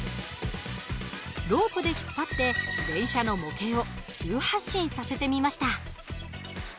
ロープで引っ張って電車の模型を急発進させてみました。